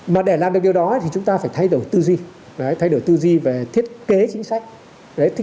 mà để làm được điều đó thì chúng ta phải thay đổi tư duy thay đổi tư duy về thiết kế chính sách